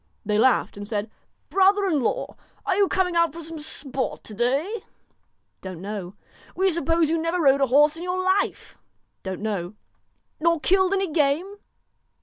They laughed and said: 'Brother in law, are you coming out for some sport to day ?'' Don't know.' 'We suppose you never rode a horse in your life?' ' Don't know.' ' Nor killed any game